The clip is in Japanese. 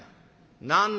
「何だ？